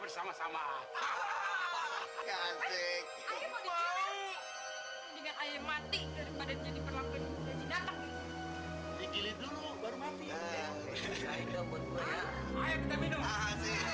sampai tujuh balik tinggi